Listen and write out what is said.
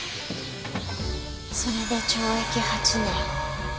それで懲役８年。